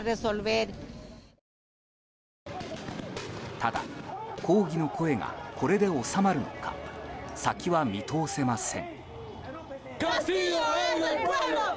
ただ、抗議の声がこれで収まるのか先は見通せません。